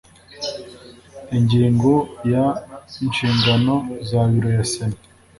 ingingo ya inshingano za biro ya sena